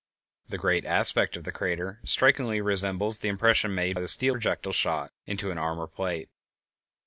The general aspect of the crater strikingly resembles the impression made by a steel projectile shot into an armor plate.